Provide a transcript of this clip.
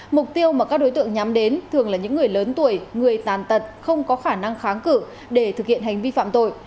mục tiêu mà các đối tượng nhắm đến thường là những người lớn tuổi người tàn tật không có khả năng kháng cử để thực hiện hành vi phạm tội